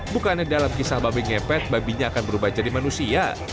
bukannya dalam kisah babi ngepet babinya akan berubah jadi manusia